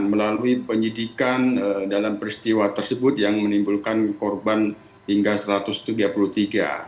melalui penyidikan dalam peristiwa tersebut yang menimbulkan korban hingga satu ratus tiga puluh tiga